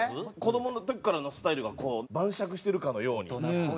子どもの時からのスタイルがこう晩酌してるかのように。